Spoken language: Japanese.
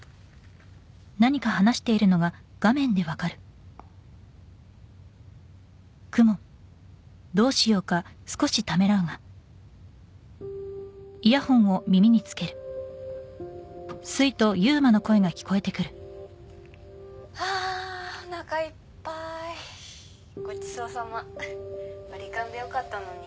ふっ「ああーおなかいっぱい」「ごちそうさま割り勘でよかったのに」